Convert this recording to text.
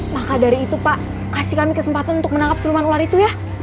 maka dari itu pak kasih kami kesempatan untuk menangkap seluman ular itu ya